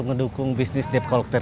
kamu gak ada